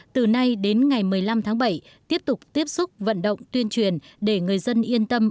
từ nay đến ngày một mươi năm tháng bảy tiếp tục tiếp xúc vận động tuyên truyền để người dân yên tâm